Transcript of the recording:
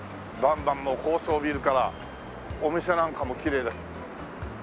バンバンもう高層ビルからお店なんかもきれいで。